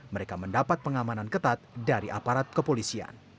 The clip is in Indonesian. mereka mendapat pengamanan ketat dari aparat kepolisian